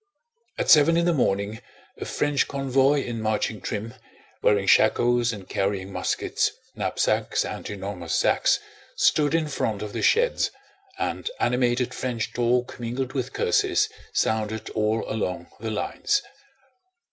At seven in the morning a French convoy in marching trim, wearing shakos and carrying muskets, knapsacks, and enormous sacks, stood in front of the sheds, and animated French talk mingled with curses sounded all along the lines.